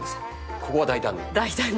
ここは大胆に。